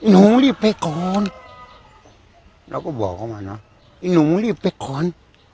หนูรีบไปก่อนเราก็บอกเขามาเนอะไอ้หนูรีบไปก่อน